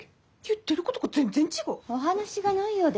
言ってることが全然違う。